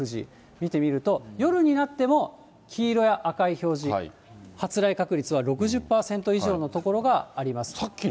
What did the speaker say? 見てみると、夜になっても、黄色や赤い表示、発雷確率は６０％以上の所があります。